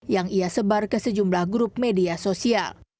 yang ia sebar ke sejumlah grup media sosial